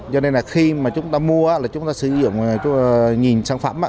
cho nên là khi mà chúng ta mua là chúng ta sử dụng nghìn sản phẩm